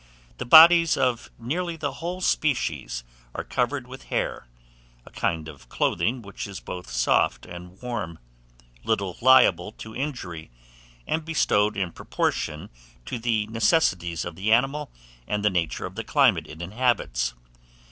The bodies of nearly the whole species are covered with hair, a kind of clothing which is both soft and warm, little liable to injury, and bestowed in proportion to the necessities of the animal and the nature of the climate it inhabits.